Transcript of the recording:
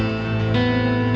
oke sampai jumpa